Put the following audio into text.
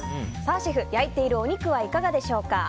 シェフ、焼いているお肉はいかがでしょうか？